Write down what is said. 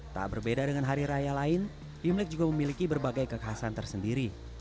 tak berbeda dengan hari raya lain imlek juga memiliki berbagai kekhasan tersendiri